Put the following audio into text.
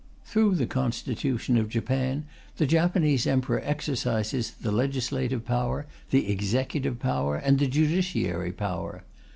Through the Constitution of Japan the Japanese Emperor exercises the legislative power, the executive power, and the judiciary power.